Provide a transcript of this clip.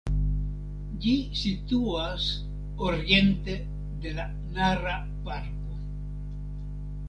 Ĝi situas oriente de la Nara-parko.